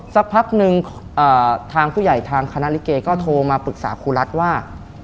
สักพักนึงทางผู้ใหญ่ทางคณะลิเกก็โทรมาปรึกษาครูรัฐว่า